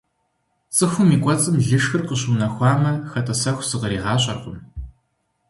ЦӀыхум и кӀуэцӀым лышхыр къыщыунэхуамэ, хэтӀэсэху зыкъригъащӀэркъым.